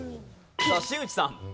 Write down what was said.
さあ新内さん。